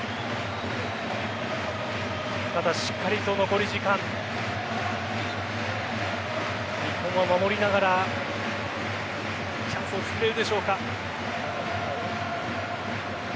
ただ、しっかりと残り時間日本は守りながらチャンスをつくれるでしょうか。